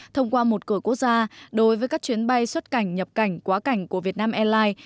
thông qua một cửa quốc gia đối với các chuyến bay xuất cảnh nhập cảnh quá cảnh của việt nam airlines